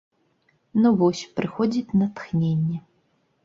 Ну вось, прыходзіць натхненне.